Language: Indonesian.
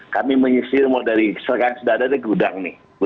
kami menyesir dari sederhana ke gudang